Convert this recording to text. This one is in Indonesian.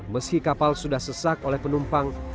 meski kapal sudah sesak oleh penumpang